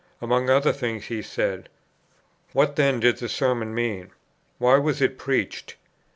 Among other things, he said: "What, then, did the Sermon mean? Why was it preached?